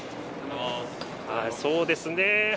そうですね。